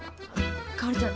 香ちゃん